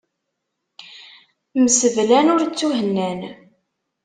Mseblan ur ttuhennan.